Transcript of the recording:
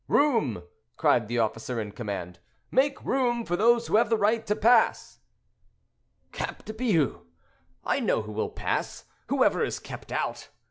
"Room!" cried the officer in command; "make room for those who have the right to pass!" "Cap de Bious! I know who will pass, whoever is kept out!"